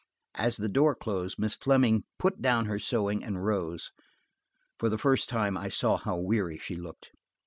As the door closed, Miss Fleming put down her sewing and rose. For the first time I saw how weary she looked.